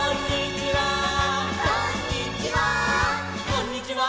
「こんにちは」「」